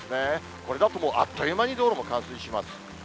これだともうあっという間に道路も冠水します。